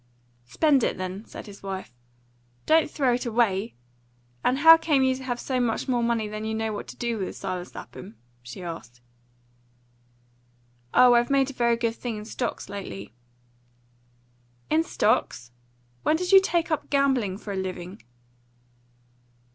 "Spend it, then," said his wife; "don't throw it away! And how came you to have so much more money than you know what to do with, Silas Lapham?" she added. "Oh, I've made a very good thing in stocks lately." "In stocks? When did you take up gambling for a living?"